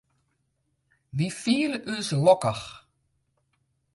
Wy fiele ús lokkich.